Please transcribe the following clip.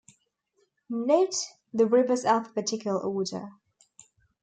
Note the reverse alphabetical order.